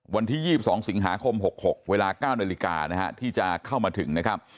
วันที่๒๒สิงหาคม๖๖เวลา๙นาฬิกานะฮะที่จะเข้ามาถึงนะครับ